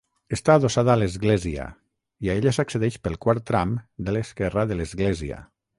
Està adossada a l'església, i a ella s'accedeix pel quart tram de l'esquerra de l'església.